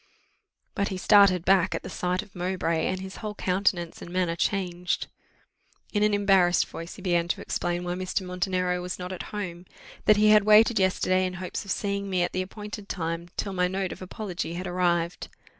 But he started back at the sight of Mowbray, and his whole countenance and manner changed. In an embarrassed voice, he began to explain why Mr. Montenero was not at home; that he had waited yesterday in hopes of seeing me at the appointed time, till my note of apology had arrived.